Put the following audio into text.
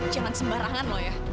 jangan sembarangan lu ya